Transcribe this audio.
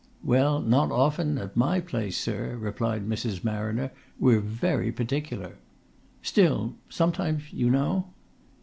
"Well, not often at my place, sir," replied Mrs. Marriner. "We're very particular." "Still sometimes, you know?"